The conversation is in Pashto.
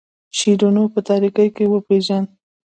شیرینو په تاریکۍ کې وپیژاند.